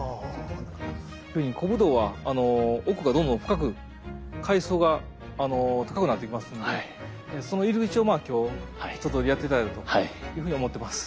古武道は奥がどんどん深く階層が高くなっていきますのでその入り口を今日一とおりやって頂いたというふうに思ってます。